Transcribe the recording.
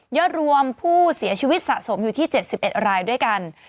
อดรวมผู้เสียชีวิตสะสมอยู่ที่๗๑รายด้วยกัน